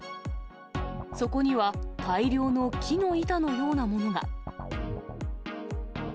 そこには大量の木の板のようなものが。